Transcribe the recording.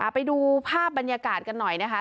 ไปดูภาพบรรยากาศกันหน่อยนะคะ